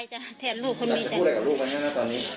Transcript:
อยากจะพูดอะไรกับลูกคนนี้นะตอนนี้